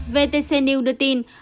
vtc news đưa tin